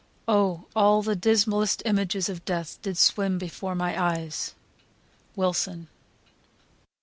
O all the dismallest images of death Did swim before my eyes!" WILSON.